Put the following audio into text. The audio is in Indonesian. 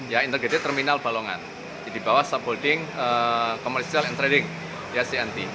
ya integrated terminal balongan jadi bawah subholding commercial and trading ya cnt